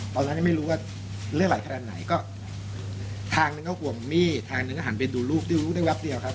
ตอนนั้นยังไม่รู้ว่าเลือดไหลขนาดไหนก็ทางนึงก็ห่วงมีดทางหนึ่งก็หันไปดูลูกดูลูกได้แป๊บเดียวครับ